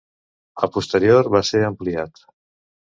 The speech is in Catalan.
A posterior va ser ampliat.